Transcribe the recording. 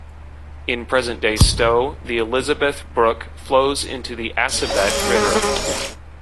In present-day Stow, the Elizabeth Brook flows into the Assabet River.